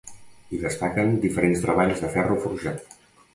Hi destaquen diferents treballs de ferro forjat.